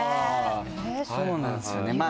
そうなんですよね。